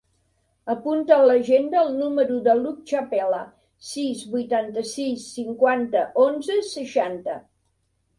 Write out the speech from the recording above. Apunta a l'agenda el número de l'Hug Chapela: sis, vuitanta-sis, cinquanta, onze, seixanta.